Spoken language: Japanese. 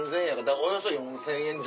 およそ４０００円弱。